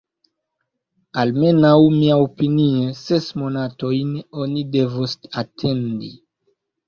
Almenaŭ, miaopinie, ses monatojn oni devos atendi.